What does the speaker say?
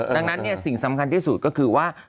ดังนั้นสิ่งสำคัญที่สุดก็คือว่า